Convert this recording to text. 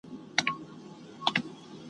له ګڼو نړیوالو علمي مرکزونو